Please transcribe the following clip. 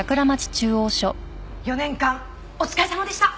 ４年間お疲れさまでした！